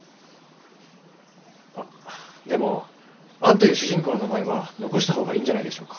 あっでもアンという主人公の名前は残した方がいいんじゃないでしょうか？